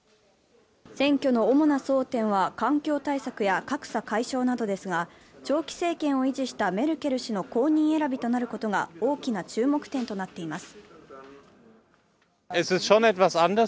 選挙の主な争点は、環境政策や格差解消などですが、長期政権を維持したメルケル氏の後任選びとなることが大きな注目点となっています。